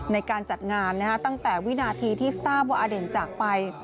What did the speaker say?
ในการจัดงานตั้งแต่วินาทีที่ทราบว่าอเด่นจากไป